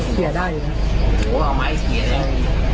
มีไฟมีไฟมีไฟสองมีไฟสอง